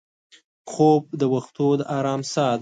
خوب د وختو د ارام سا ده